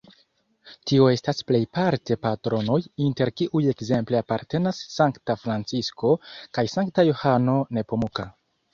Tio estas plejparte patronoj, inter kiuj ekzemple apartenas sankta Francisko kaj sankta Johano Nepomuka.